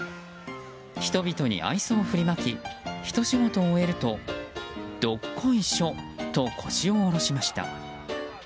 人々に愛想を振りまきひと仕事終えるとどっこいしょと腰を下ろしました。